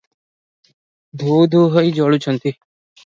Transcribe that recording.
ଧୂ-ଧୂ ହୋଇ ଜଳୁଛନ୍ତି ।